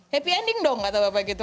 happy ending dong kata bapak gitu